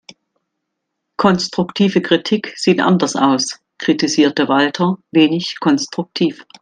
Konstruktive Kritik sieht anders aus, kritisierte Walter wenig konstruktiv.